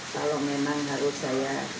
kalau memang harus saya